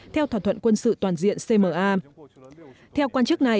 một mươi một theo thỏa thuận quân sự toàn diện theo quan chức này